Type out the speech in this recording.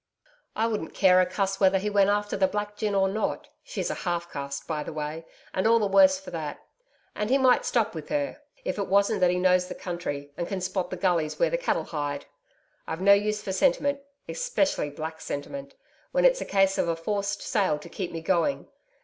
'I wouldn't care a cuss whether he went after the black gin or not; she's a half caste, by the way, and all the worse for that. And he might stop with her, if it wasn't that he knows the country, and can spot the gullies where the cattle hide. I've no use for sentiment especially black sentiment when it's a case of a forced sale to keep me going.